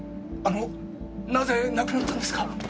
あのなぜ亡くなったんですか？